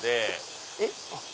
えっ？